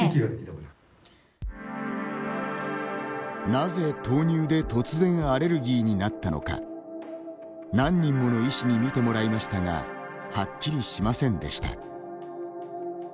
なぜ、豆乳で突然アレルギーになったのか何人もの医師に診てもらいましたがはっきりしませんでした。